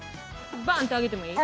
ばーんって上げてもいい？